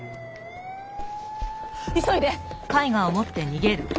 急いで！